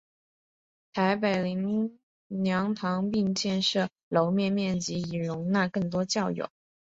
台北灵粮堂并增建楼面面积以容纳更多教友。